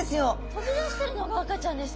飛び出してるのが赤ちゃんですか。